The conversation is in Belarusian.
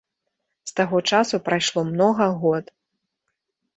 З таго часу прайшло многа год.